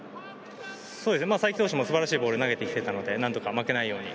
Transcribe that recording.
才木投手も素晴らしいボールを投げてきていたので何とか負けないように。